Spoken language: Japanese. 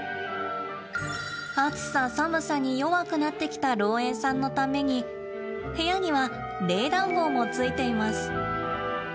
暑さ寒さに弱くなってきた老猿さんのために部屋には冷暖房もついています。